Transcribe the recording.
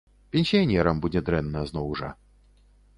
Пенсіянерам будзе дрэнна, зноў жа.